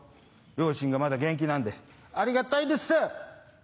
両親がまだ元気なんでありがたいです。